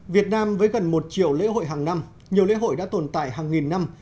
việt nam với gần một triệu lễ hội hàng năm nhiều lễ hội đã tồn tại hàng nghìn năm